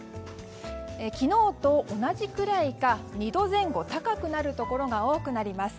昨日と同じくらいか２度前後高くなるところが多くなります。